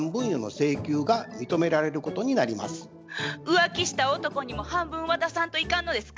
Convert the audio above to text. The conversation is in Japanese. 浮気した男にも半分渡さんといかんのですか？